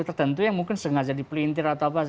tertentu yang mungkin sengaja dipelintir atau apa